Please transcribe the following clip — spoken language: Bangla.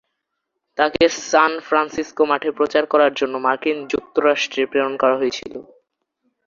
তাকে সান ফ্রান্সিসকো মঠে প্রচার করার জন্য মার্কিন যুক্তরাষ্ট্রে প্রেরণ করা হয়েছিল।